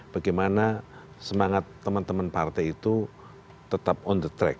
bagaimana semangat teman teman partai itu tetap on the track